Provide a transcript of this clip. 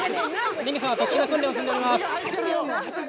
レミさんは特殊な訓練を積んでおります。